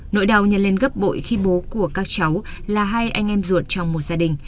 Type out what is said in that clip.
nỗi đau nhân lên gấp bội khi bố của các cháu là hai anh em ruột trong một gia đình